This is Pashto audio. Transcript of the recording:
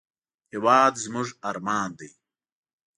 هېواد زموږ ارمان دی